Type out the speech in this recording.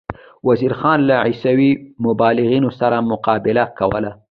وزیر خان له عیسوي مبلغانو سره مقابله کوله.